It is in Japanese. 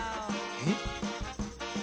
えっ？